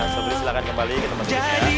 sobri silahkan kembali ke tempat itu